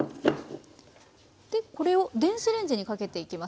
これを電子レンジにかけていきます。